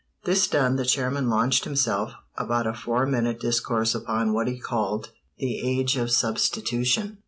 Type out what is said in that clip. This done, the chairman launched himself upon a four minute discourse upon what he called "The Age of Substitution."